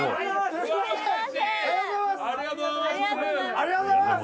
ありがとうございます。